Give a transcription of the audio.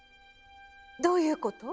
どういうこと？